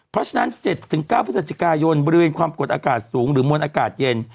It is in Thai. เพราะฉะนั้น๗๙พฤศจิกายนบริเวณความกดอากาศสูงหรือมวลอากาศเย็น